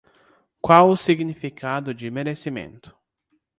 Qual o significado de merecimento?